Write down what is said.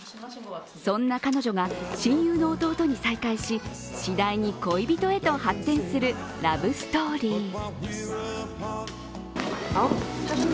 そんな彼女が親友の弟に再会し、次第に恋人へと発展するラブストーリー。